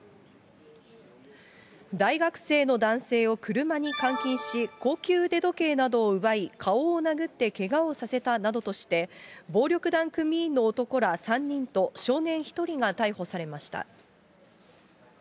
大学生の男性を車に監禁し、高級腕時計などを奪い、顔を殴ってけがをさせたなどとして、暴力団組員の男ら３人と、少年１人が逮捕されました。